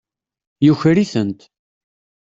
Yuker-itent.